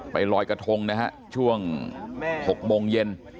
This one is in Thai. ลอยกระทงนะฮะช่วง๖โมงเย็น